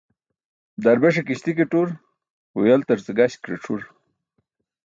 Darbeṣe kiśti ke tur, huyaltarce gaśk ke c̣ʰur.